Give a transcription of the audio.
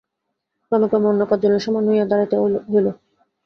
ক্রমে ক্রমে অন্য পাঁচজনের সমান হইয়া দাঁড়াইতে হইল।